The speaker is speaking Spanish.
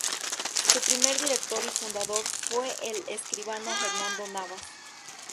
Su primer director y fundador fue el escribano Hernando Navas.